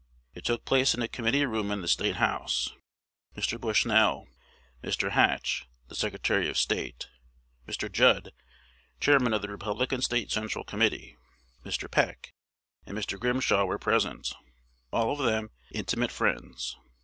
It took place in a committee room in the State House. Mr. Bushnell, Mr. Hatch (the Secretary of State), Mr. Judd (Chairman of the Republican State Central Committee), Mr. Peck, and Mr. Grimshaw were present, all of them "intimate friends."